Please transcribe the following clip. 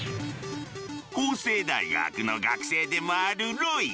法政大学の学生でもあるロイ。